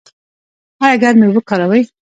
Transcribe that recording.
ایا ګرمې اوبه کاروئ؟